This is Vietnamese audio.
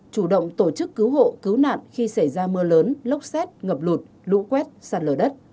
chủ động tổ chức cứu hộ cứu nạn khi xảy ra mưa lớn lốc xét ngập lụt lũ quét sạt lở đất